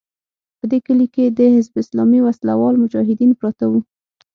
په دې کلي کې د حزب اسلامي وسله وال مجاهدین پراته وو.